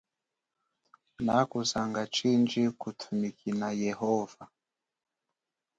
Nakuzanga chindji kutumikina yehova.